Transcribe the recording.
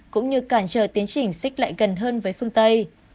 cũng như cản trở tiến trình xích lại gần hơn với phương tây